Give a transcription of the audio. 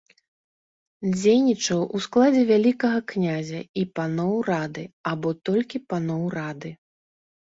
Дзейнічаў у складзе вялікага князя і паноў рады або толькі паноў рады.